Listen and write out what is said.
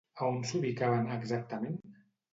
A on s'ubicaven exactament?